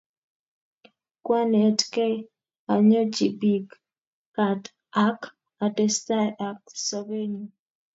Kwanetkey anyochipik kaat ak atestai ak sobennyu